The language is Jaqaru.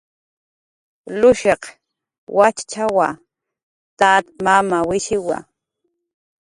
Jushiq wachchawa, tat mamawishiwa